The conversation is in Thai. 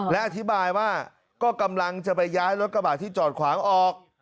และอธิบายว่าก็กำลังจะไปย้ายรถกระบาดที่จอดขวางออก